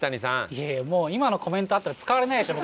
いやいやもう今のコメントあったら使われないでしょ